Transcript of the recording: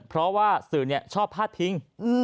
เพราะว่าสื่อชอบพาดพิง